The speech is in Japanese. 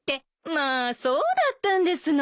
まあそうだったんですの！